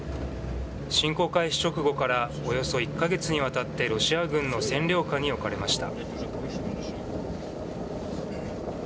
侵攻開始直後からおよそ１か月にわたって、ロシア軍の占領下に置かれました。